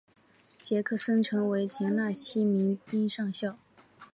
杰克森成为田纳西民兵上校。